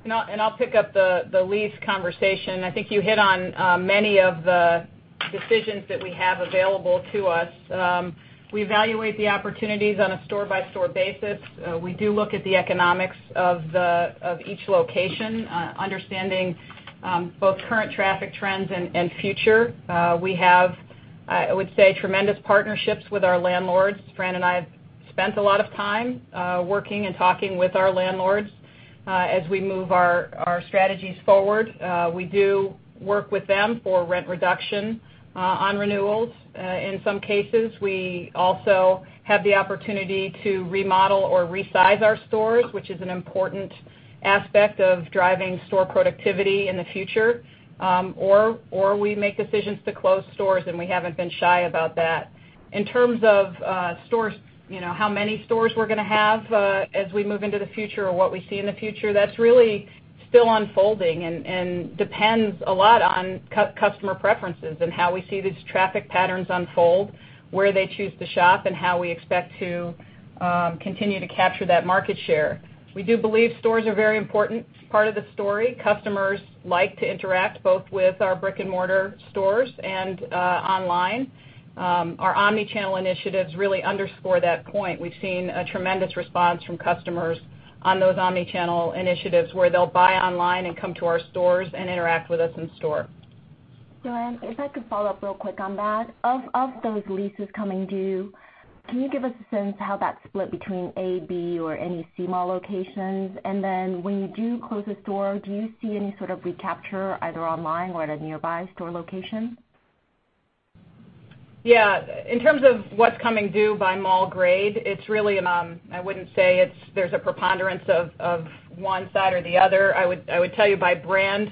I'll pick up the lease conversation. I think you hit on many of the decisions that we have available to us. We evaluate the opportunities on a store-by-store basis. We do look at the economics of each location, understanding both current traffic trends and future. We have, I would say, tremendous partnerships with our landlords. Fran and I have spent a lot of time working and talking with our landlords as we move our strategies forward. We do work with them for rent reduction on renewals. In some cases, we also have the opportunity to remodel or resize our stores, which is an important aspect of driving store productivity in the future. Or we make decisions to close stores, and we haven't been shy about that. In terms of how many stores we're going to have as we move into the future or what we see in the future, that's really still unfolding and depends a lot on customer preferences and how we see these traffic patterns unfold, where they choose to shop, and how we expect to continue to capture that market share. We do believe stores are a very important part of the story. Customers like to interact both with our brick-and-mortar stores and online. Our omnichannel initiatives really underscore that point. We've seen a tremendous response from customers on those omnichannel initiatives where they'll buy online and come to our stores and interact with us in store. Joanne, if I could follow up real quick on that. Of those leases coming due, can you give us a sense how that's split between A, B, or any C mall locations? Then when you do close a store, do you see any sort of recapture either online or at a nearby store location? Yeah. In terms of what's coming due by mall grade, I wouldn't say there's a preponderance of one side or the other. I would tell you by brand,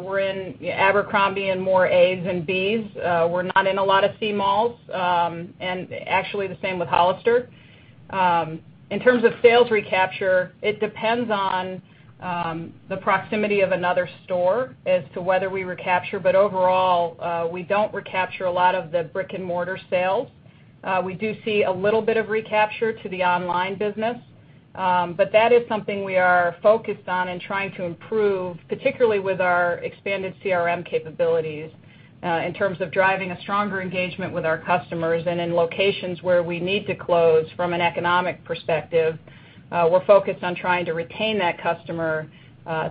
we're in Abercrombie in more As than Bs. We're not in a lot of C malls. Actually the same with Hollister. In terms of sales recapture, it depends on the proximity of another store as to whether we recapture. Overall, we don't recapture a lot of the brick-and-mortar sales. We do see a little bit of recapture to the online business. That is something we are focused on and trying to improve, particularly with our expanded CRM capabilities, in terms of driving a stronger engagement with our customers. In locations where we need to close from an economic perspective, we're focused on trying to retain that customer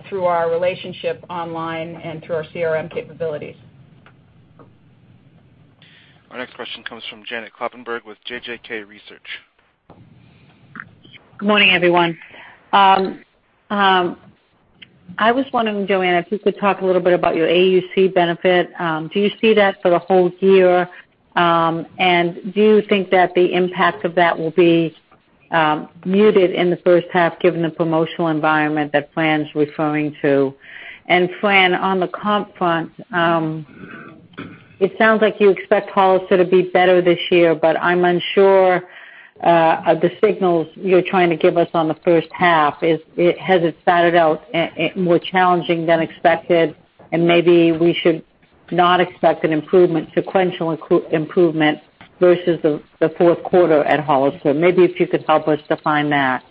through our relationship online and through our CRM capabilities. Our next question comes from Janet Kloppenburg with JJK Research. Good morning, everyone. I was wondering, Joanne, if you could talk a little bit about your AUC benefit. Do you see that for the whole year? Do you think that the impact of that will be muted in the first half, given the promotional environment that Fran's referring to? Fran, on the comp front, it sounds like you expect Hollister to be better this year, I'm unsure of the signals you're trying to give us on the first half. Has it started out more challenging than expected, and maybe we should not expect an improvement, sequential improvement versus the fourth quarter at Hollister? Maybe if you could help us define that.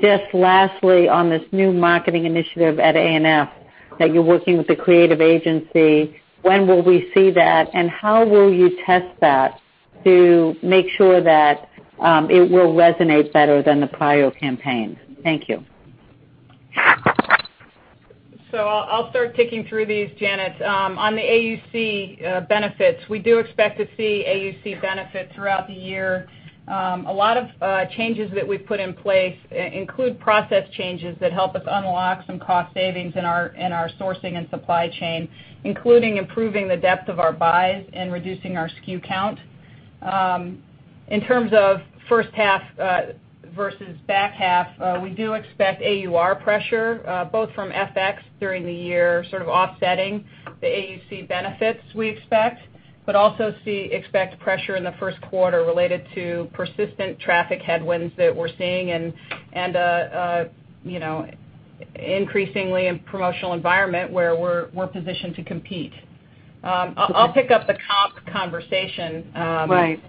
Just lastly, on this new marketing initiative at A&F, that you're working with a creative agency, when will we see that, and how will you test that to make sure that it will resonate better than the prior campaigns? Thank you. I'll start ticking through these, Janet. On the AUC benefits, we do expect to see AUC benefits throughout the year. A lot of changes that we've put in place include process changes that help us unlock some cost savings in our sourcing and supply chain, including improving the depth of our buys and reducing our SKU count. In terms of first half versus back half, we do expect AUR pressure, both from FX during the year, sort of offsetting the AUC benefits we expect, but also expect pressure in the first quarter related to persistent traffic headwinds that we're seeing and increasingly in promotional environment where we're positioned to compete. I'll pick up the comp conversation. Right.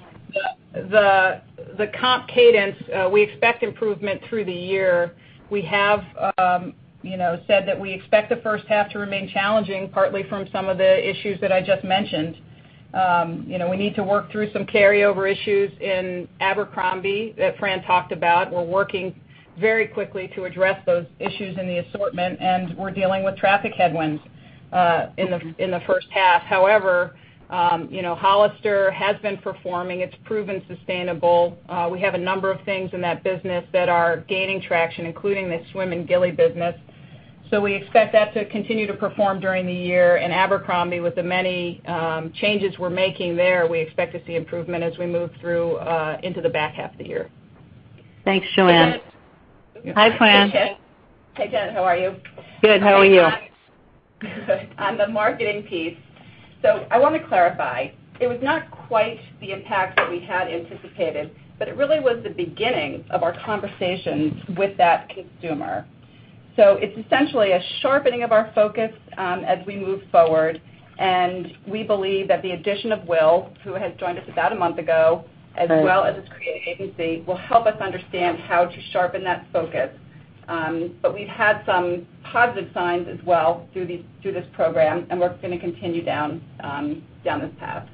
The comp cadence, we expect improvement through the year. We have said that we expect the first half to remain challenging, partly from some of the issues that I just mentioned. We need to work through some carryover issues in Abercrombie that Fran talked about. We're working very quickly to address those issues in the assortment, and we're dealing with traffic headwinds in the first half. However, Hollister has been performing. It's proven sustainable. We have a number of things in that business that are gaining traction, including the swim and Gilly business. We expect that to continue to perform during the year. Abercrombie, with the many changes we're making there, we expect to see improvement as we move through into the back half of the year. Thanks, Joanne. Hey, Janet. Hi, Fran. Hey, Janet. How are you? Good. How are you? Good. On the marketing piece, I want to clarify. It was not quite the impact that we had anticipated, but it really was the beginning of our conversations with that consumer. It's essentially a sharpening of our focus as we move forward, and we believe that the addition of Will, who has joined us about a month ago, as well as his creative agency, will help us understand how to sharpen that focus. We've had some positive signs as well through this program, and we're going to continue down this path.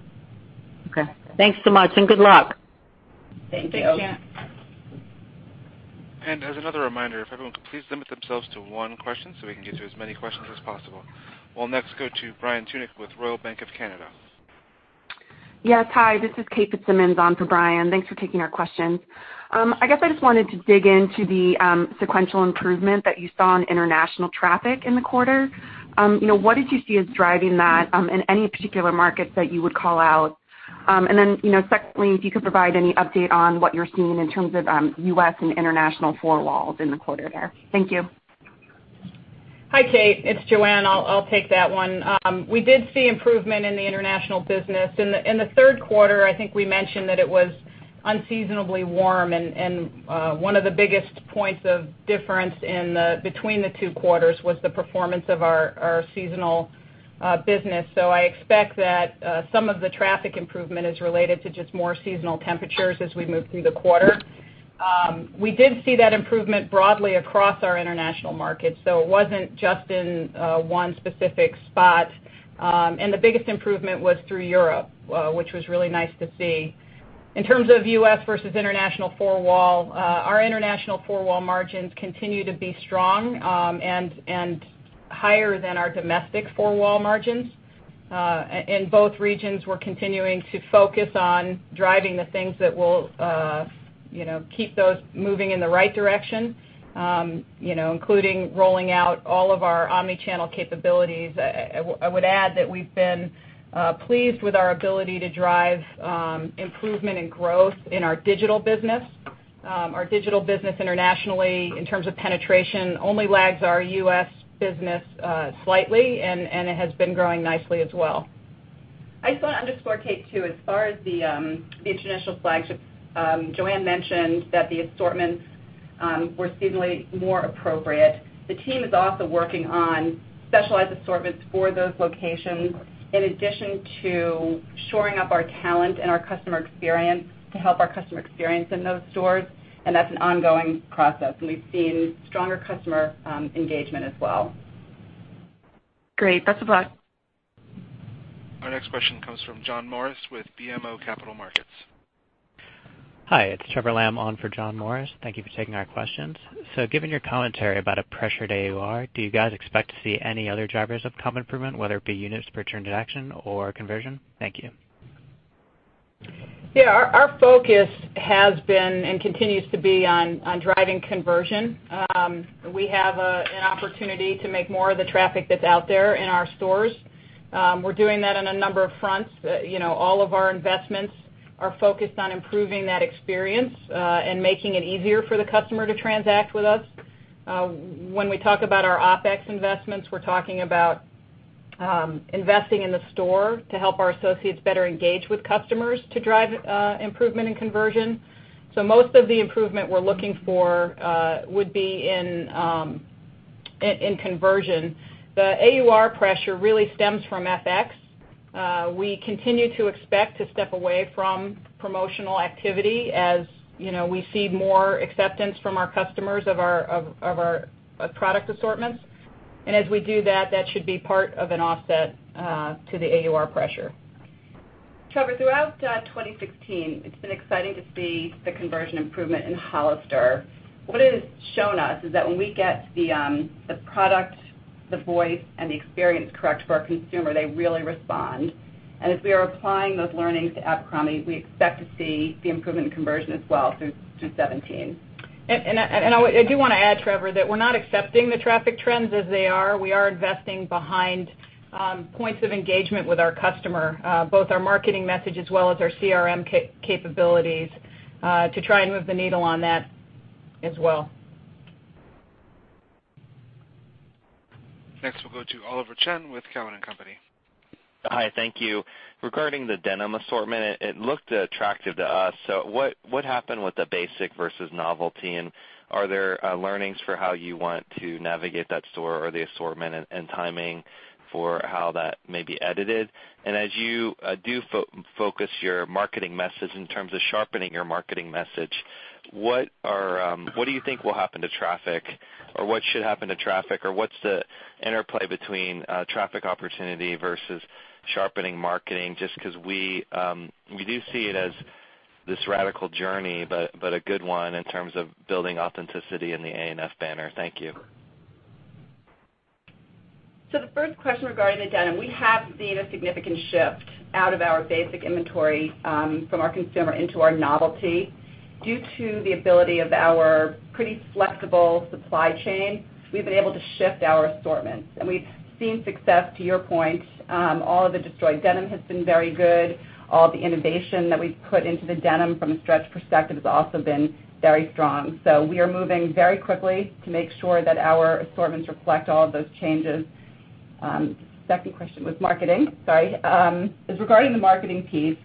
Okay. Thanks so much, good luck. Thank you. Thanks, Janet. As another reminder, if everyone could please limit themselves to one question so we can get to as many questions as possible. We'll next go to Brian Tunick with Royal Bank of Canada. Hi, this is Kate Fitzsimons on for Brian. Thanks for taking our questions. I just wanted to dig into the sequential improvement that you saw on international traffic in the quarter. What did you see as driving that in any particular markets that you would call out? Secondly, if you could provide any update on what you're seeing in terms of U.S. and international four walls in the quarter there. Thank you. Hi, Kate. It's Joanne. I'll take that one. We did see improvement in the international business. In the third quarter, I think we mentioned that it was unseasonably warm, one of the biggest points of difference between the two quarters was the performance of our seasonal business. I expect that some of the traffic improvement is related to just more seasonal temperatures as we move through the quarter. We did see that improvement broadly across our international markets. It wasn't just in one specific spot. The biggest improvement was through Europe, which was really nice to see. In terms of U.S. versus international four-wall, our international four-wall margins continue to be strong and higher than our domestic four-wall margins. In both regions, we're continuing to focus on driving the things that will keep those moving in the right direction, including rolling out all of our omnichannel capabilities. I would add that we've been pleased with our ability to drive improvement and growth in our digital business. Our digital business internationally, in terms of penetration, only lags our U.S. business slightly, and it has been growing nicely as well. I just want to underscore, Kate, too. As far as the international flagship, Joanne mentioned that the assortments were seasonally more appropriate. The team is also working on specialized assortments for those locations, in addition to shoring up our talent and our customer experience to help our customer experience in those stores, that's an ongoing process. We've seen stronger customer engagement as well. Great. Best of luck. Our next question comes from John Morris with BMO Capital Markets. Hi, it's Trevor Lamb on for John Morris. Thank you for taking our questions. Given your commentary about a pressured AUR, do you guys expect to see any other drivers of comp improvement, whether it be units per transaction or conversion? Thank you. Yeah, our focus has been and continues to be on driving conversion. We have an opportunity to make more of the traffic that's out there in our stores. We're doing that on a number of fronts. All of our investments are focused on improving that experience and making it easier for the customer to transact with us. When we talk about our OpEx investments, we're talking about investing in the store to help our associates better engage with customers to drive improvement in conversion. Most of the improvement we're looking for would be in conversion. The AUR pressure really stems from FX. We continue to expect to step away from promotional activity as we see more acceptance from our customers of our product assortments. As we do that should be part of an offset to the AUR pressure. Trevor, throughout 2016, it's been exciting to see the conversion improvement in Hollister. What it has shown us is that when we get the product, the voice, and the experience correct for our consumer, they really respond. As we are applying those learnings to Abercrombie, we expect to see the improvement in conversion as well through 2017. I do want to add, Trevor, that we're not accepting the traffic trends as they are. We are investing behind points of engagement with our customer, both our marketing message as well as our CRM capabilities, to try and move the needle on that as well. Next, we'll go to Oliver Chen with Cowen and Company. Hi, thank you. Regarding the denim assortment, it looked attractive to us. What happened with the basic versus novelty? Are there learnings for how you want to navigate that store or the assortment and timing for how that may be edited? As you do focus your marketing message in terms of sharpening your marketing message, what do you think will happen to traffic? What should happen to traffic? What's the interplay between traffic opportunity versus sharpening marketing? Just because we do see it as this radical journey, but a good one in terms of building authenticity in the A&F banner. Thank you. The first question regarding the denim, we have seen a significant shift out of our basic inventory from our consumer into our novelty. Due to the ability of our pretty flexible supply chain, we've been able to shift our assortments. We've seen success, to your point. All of the destroyed denim has been very good. All of the innovation that we've put into the denim from a stretch perspective has also been very strong. We are moving very quickly to make sure that our assortments reflect all of those changes. Second question was marketing. Sorry. Regarding the marketing piece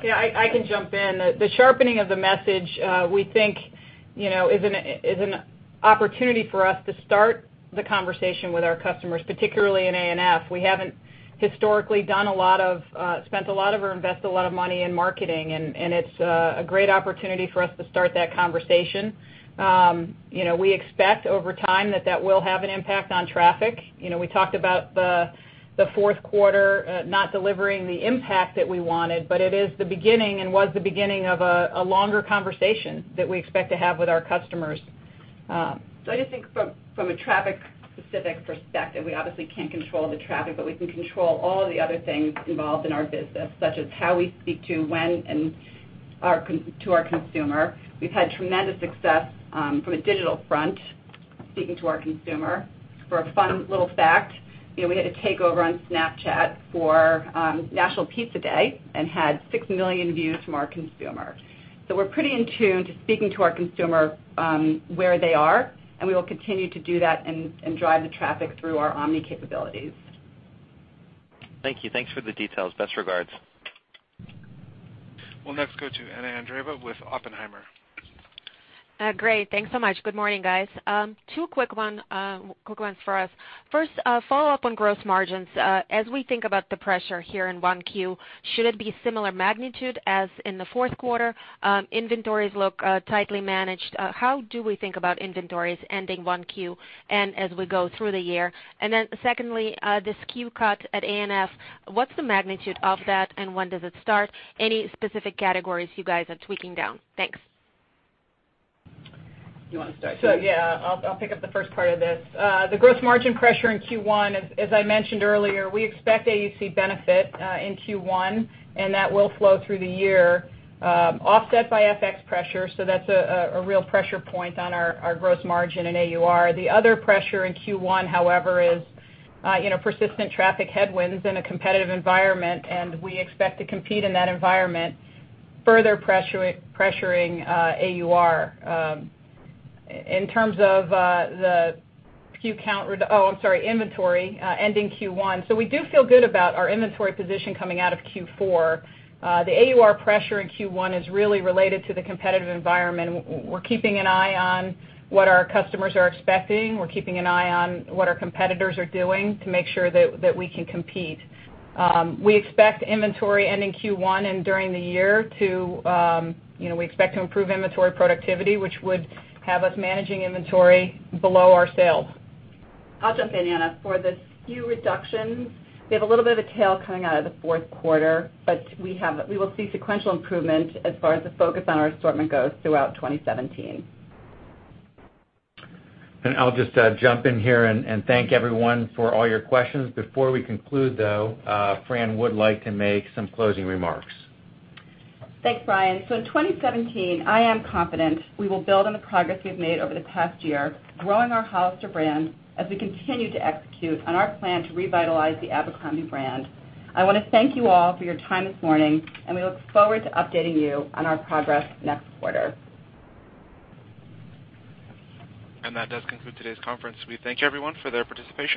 I can jump in. The sharpening of the message, we think, is an opportunity for us to start the conversation with our customers, particularly in A&F. We haven't historically invest a lot of money in marketing, it's a great opportunity for us to start that conversation. We expect over time that that will have an impact on traffic. We talked about the fourth quarter not delivering the impact that we wanted, it is the beginning and was the beginning of a longer conversation that we expect to have with our customers. I just think from a traffic-specific perspective, we obviously can't control the traffic, we can control all of the other things involved in our business, such as how we speak to when and to our consumer. We've had tremendous success from a digital front, speaking to our consumer. For a fun little fact, we had a takeover on Snapchat for National Pizza Day and had six million views from our consumer. We're pretty in tune to speaking to our consumer where they are, and we will continue to do that and drive the traffic through our omni capabilities. Thank you. Thanks for the details. Best regards. We'll next go to Anna Andreeva with Oppenheimer. Great. Thanks so much. Good morning, guys. Two quick ones for us. First, a follow-up on gross margins. As we think about the pressure here in one Q, should it be similar magnitude as in the fourth quarter? Inventories look tightly managed. How do we think about inventories ending one Q and as we go through the year? Secondly, this SKU cut at A&F, what's the magnitude of that and when does it start? Any specific categories you guys are tweaking down? Thanks. You want to start, Fran? Yeah, I'll pick up the first part of this. The gross margin pressure in Q1, as I mentioned earlier, we expect AUC benefit in Q1, and that will flow through the year, offset by FX pressure. That's a real pressure point on our gross margin in AUR. The other pressure in Q1, however, is persistent traffic headwinds in a competitive environment, and we expect to compete in that environment, further pressuring AUR. In terms of the SKU count Oh, I'm sorry, inventory ending Q1. We do feel good about our inventory position coming out of Q4. The AUR pressure in Q1 is really related to the competitive environment. We're keeping an eye on what our customers are expecting. We're keeping an eye on what our competitors are doing to make sure that we can compete. We expect inventory ending Q1 and during the year we expect to improve inventory productivity, which would have us managing inventory below our sales. I'll jump in, Anna. For the SKU reductions, we have a little bit of a tail coming out of the fourth quarter, we will see sequential improvement as far as the focus on our assortment goes throughout 2017. I'll just jump in here and thank everyone for all your questions. Before we conclude, though, Fran would like to make some closing remarks. Thanks, Brian. In 2017, I am confident we will build on the progress we've made over the past year, growing our Hollister brand as we continue to execute on our plan to revitalize the Abercrombie brand. I want to thank you all for your time this morning, we look forward to updating you on our progress next quarter. That does conclude today's conference. We thank everyone for their participation.